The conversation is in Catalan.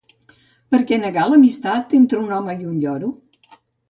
¿Per què negar l'amistat entre un home i un lloro?